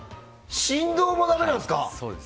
振動もダメなんですか。